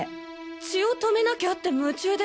血を止めなきゃって夢中で。